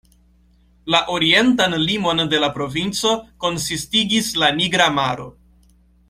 La orientan limon de la provinco konsistigis la Nigra Maro.